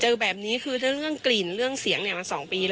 เจอแบบนี้คือเรื่องกลิ่นเรื่องเสียงเนี่ยมา๒ปี